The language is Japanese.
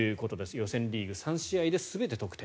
予選リーグ３試合で全て得点。